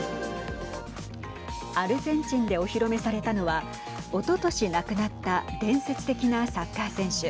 アルゼンチンでお披露目されたのはおととし、亡くなった伝説的なサッカー選手